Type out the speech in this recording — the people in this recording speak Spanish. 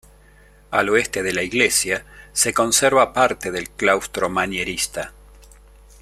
Al oeste de la iglesia, se conserva parte del claustro manierista.